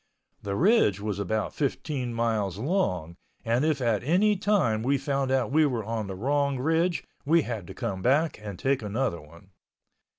The ridge was about 15 miles long and if at any time we found out we were on the wrong ridge we had to come back and take another one.